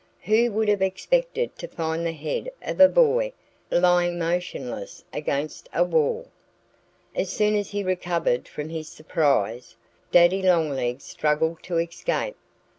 Who would have expected to find the head of a boy lying motionless against a wall? As soon as he recovered from his surprise, Daddy Longlegs struggled to escape.